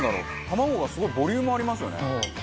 卵がすごいボリュームありますよね。